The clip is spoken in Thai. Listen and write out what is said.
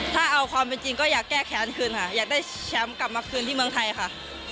ถ้าเอาความเป็นจริงก็อยากแก้แค้นคืนค่ะอยากได้แชมป์กลับมาคืนที่เมืองไทยค่ะ